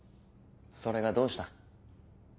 それがどうした？